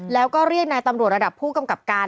แล้วก็เรียกนายตำรวจระดับผู้กำกับการ